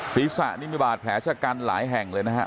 ศีรษะนี่มีบาดแผลชะกันหลายแห่งเลยนะฮะ